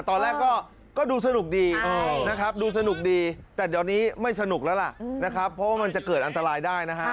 ตอนแรกก็ดูสนุกดีนะครับดูสนุกดีแต่เดี๋ยวนี้ไม่สนุกแล้วล่ะนะครับเพราะว่ามันจะเกิดอันตรายได้นะฮะ